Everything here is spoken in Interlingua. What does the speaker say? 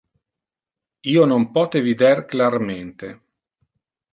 Io non pote vider clarmente.